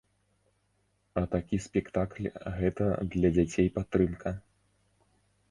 А такі спектакль гэта для дзяцей падтрымка.